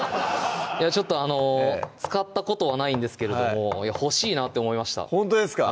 いやちょっとあの使ったことはないんですけれども欲しいなって思いましたほんとですか？